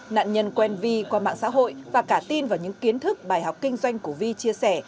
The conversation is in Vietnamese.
nạn nhân quen vi qua mạng xã hội và cả tin vào những kiến thức bài học kinh doanh của vi chia sẻ